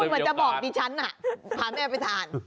พาแม่ไปทาน